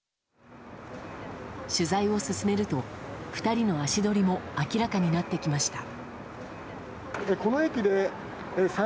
取材を進めると、２人の足取りも明らかになってきました。